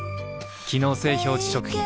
機能性表示食品